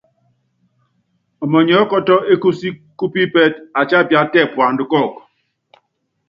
Ɔmɔnyiɔ́kɔtɔ́ ékúsí kúpípɛtɛ́, atíapia tɛ puandá kɔ́ɔku.